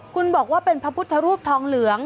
คุณบอกว่าเป็นพระพุทธรูปทองเหลือง